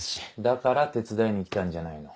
だから手伝いに来たんじゃないの。